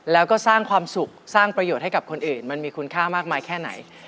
แล้วก็สร้างความสุขสร้างประโยชน์ให้กับคนอื่นมันมีคุณค่ามากมายแค่ไหน